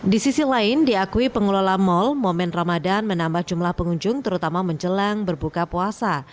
di sisi lain diakui pengelola mal momen ramadan menambah jumlah pengunjung terutama menjelang berbuka puasa